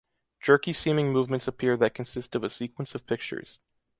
Jerky seeming movements appear that consist of a sequence of pictures.